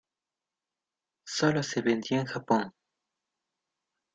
Solo se vendió en Japón.